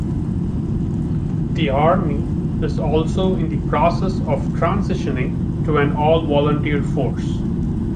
The Army is also in the process of transitioning to an all volunteer force.